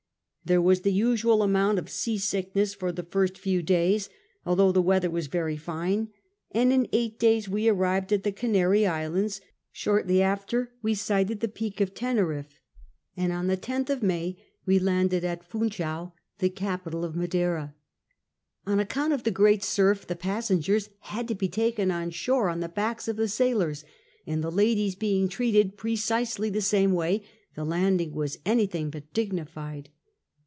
There was the usual amount of seasick ness for the first few days, although the weather was very fine, and in eight days we arrived at the Canary Islands, shortly after we sighted the peak of Teneriffe, and SKETCHES OF TRAVEL on the 10th of May we landed at Funchal, the capital of Madeira. On account of the great surf, the pas sengers had to be taken on shore on the backs of the sailors, and the ladies being treated precisely the same way, the landing was anything but dignified.